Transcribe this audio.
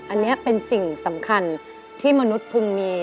อันนี้เป็นสิ่งสำคัญที่มนุษย์พึงมี